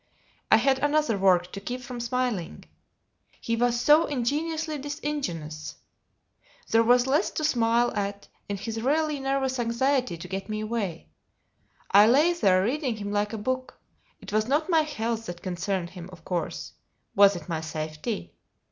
I had another work to keep from smiling: he was so ingenuously disingenuous. There was less to smile at in his really nervous anxiety to get me away. I lay there reading him like a book: it was not my health that concerned him, of course: was it my safety?